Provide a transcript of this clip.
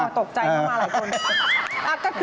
ตกใจเข้ามาหลายคน